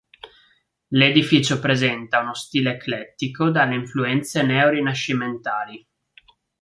L'edificio presenta uno stile eclettico dalle influenze neorinascimentali.